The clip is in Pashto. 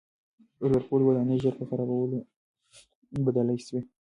لوړپوړي ودانۍ ژر په خرابو بدلې سوې.